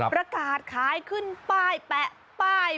ประกาศขายขึ้นป้ายแปะป้าย